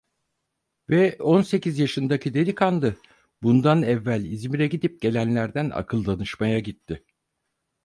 Ve on sekiz yaşındaki delikanlı, bundan evvel İzmir’e gidip gelenlerden akıl danışmaya gitti.